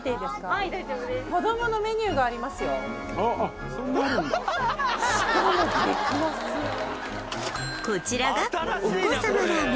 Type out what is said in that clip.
はい大丈夫ですこちらがお子さまラーメン